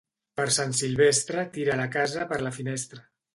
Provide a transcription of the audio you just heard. Per Sant Silvestre tira la casa per la finestra.